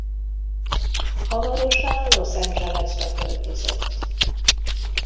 Hamarosan Los Angelesbe költözött.